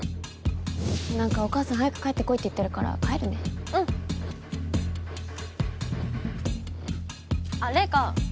なんかお母さん早く帰って来いって言ってるから帰るねうんあっ零花